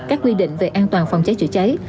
các quy định về an toàn phòng cháy chữa cháy